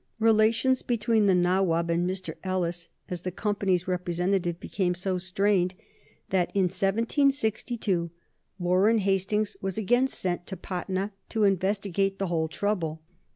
Relations between the Nawab and Mr. Ellis, as the Company's representative, became so strained that in 1762 Warren Hastings was again sent to Patna to investigate the whole trouble.